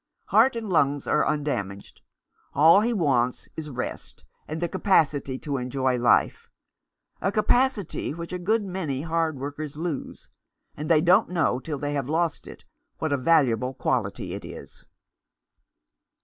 Heart and lungs are undamaged. All he wants is rest, and the capacity to enjoy life — a capacity which a good many hard workers lose ; and they don't know till they have lost it what a valuable quality it is."